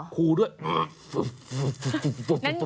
คู่ได้เหรอคู่ด้วย